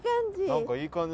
何かいい感じ。